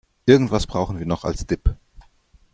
Irgendwas brauchen wir noch als Dip.